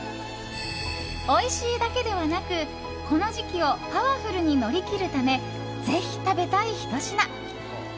おいしいだけではなくこの時期をパワフルに乗り切るためぜひ食べたいひと品。